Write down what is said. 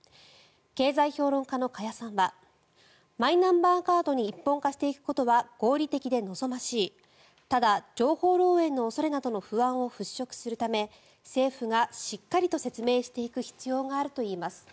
経済評論家の加谷さんはマイナンバーカードに一本化していくことは合理的で望ましいただ、情報漏えいの恐れなどの不安を払しょくするため政府がしっかりと説明してく必要があるといいます。